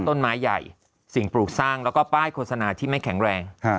ต้นไม้ใหญ่สิ่งปลูกสร้างแล้วก็ป้ายโฆษณาที่ไม่แข็งแรง